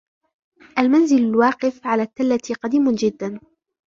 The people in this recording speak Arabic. المنزل الواقف على التلة قديم جداً.